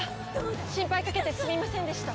心配かけてすみませんでした。